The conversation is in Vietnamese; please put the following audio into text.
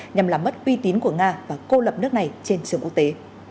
nhằm làm mất uy tín của nga và cô lập nước này trên trường quốc tế